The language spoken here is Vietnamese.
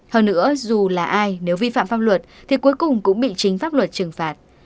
hơn nữa dù là ai nếu vi phạm pháp luật thì cuối cùng cũng bị chính pháp luật trừng phạt